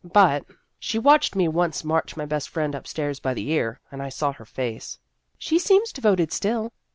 But she watched me once march my best friend up stairs by the ear. And I saw her face." " She seems devoted still."